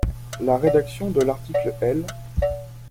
La rédaction de l’article L.